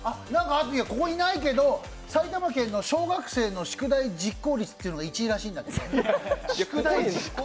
ここにないけど埼玉県の小学生の宿題実行率っていうのが１位らしいんだって。